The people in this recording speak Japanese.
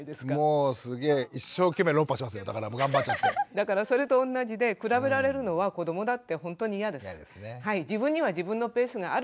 だからそれと同じで比べられるのは子どもだってほんとにいやです。